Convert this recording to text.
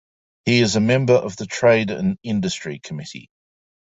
He is a Member of the Trade and Industry Committee.